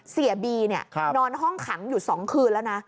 เสียบีนอนห้องขังอยู่๒คืนแล้วนะ